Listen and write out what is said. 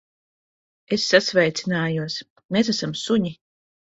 Es sasveicinājos. Mēs esam suņi.